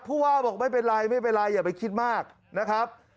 ผู้ว่าบอกไม่เป็นไรไม่เป็นไรอย่าไปคิดมากนะครับ